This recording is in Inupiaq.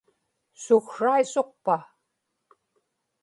suksraisuqpa